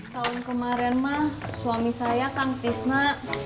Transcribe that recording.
tahun kemarin mak suami saya kan pisna